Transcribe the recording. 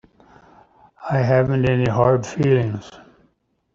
I haven't any hard feelings.